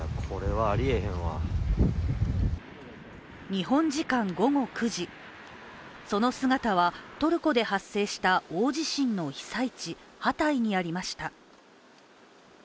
日本時間午後９時、その姿はトルコで発生した大地震の被災地ハタイにありました。